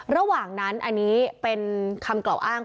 ระหว่างนั้นอันนี้เป็นคำกล่าวอ้าง